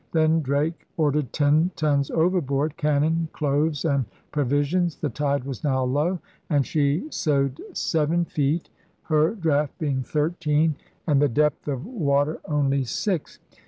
Then Drake ordered ten tons overboard — cannon, cloves, and provi sions. The tide was now low and she sewed seven feet, her draught being thirteen and the depth of water only six.